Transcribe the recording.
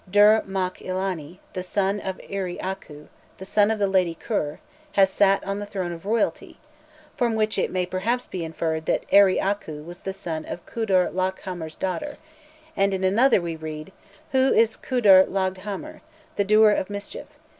Dur makh ilani, the son of Eri Âku, the son of the lady Kur... has sat on the throne of royalty," from which it may perhaps be inferred that Eri Âku was the son of Kudur Laghghamar's daughter; and in another we read, "Who is Kudur Laghghamar, the doer of mischief?